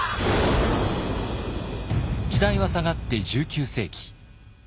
時代は下がって１９世紀。